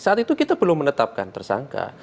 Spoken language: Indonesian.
saat itu kita belum menetapkan tersangka